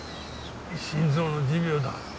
心臓の持病だ。